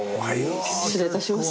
失礼いたします。